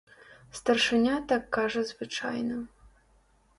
Старшыня так кажа звычайна.